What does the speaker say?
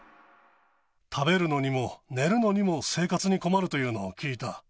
食べるのにも、寝るのにも生活に困るというのを聞いた。